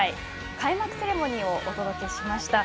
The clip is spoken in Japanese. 開幕セレモニーをお届けしました。